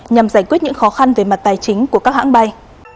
nhằm giải quyết những khó khăn về mặt tài chính của các hãng bay